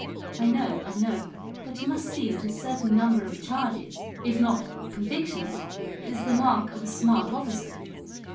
" I know, I know. But you must see that a certain number of charges, if not of convic tions, is the mark of a smart officer."